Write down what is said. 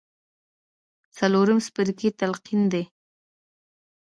څلورم څپرکی تلقين دی.